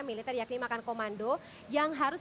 militer yakni makan komando yang harus